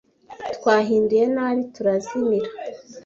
Twahinduye nabi turazimira.